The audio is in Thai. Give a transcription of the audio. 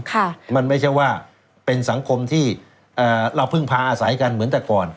ค่ะมันไม่ใช่ว่าเป็นสังคมที่เอ่อเราเพิ่งพาอาศัยกันเหมือนแต่ก่อน